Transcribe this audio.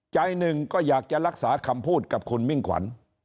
ใจหนึ่งก็อยากจะรักษาคำพูดกับคุณมิ่งขวัญ